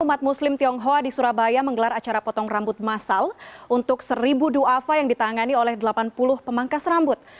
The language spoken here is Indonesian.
umat muslim tionghoa di surabaya menggelar acara potong rambut masal untuk seribu ⁇ duafa ⁇ yang ditangani oleh delapan puluh pemangkas rambut